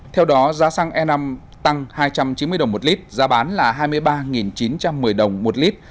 theo đó giá xăng e năm tăng hai trăm chín mươi đồng một lít giá bán là hai mươi ba chín trăm một mươi đồng một lít